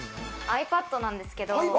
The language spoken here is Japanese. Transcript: ｉＰａｄなんですけど。